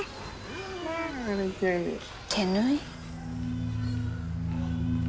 手縫い？